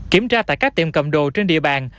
kiểm tra tại các tiệm cầm đồ trên địa bàn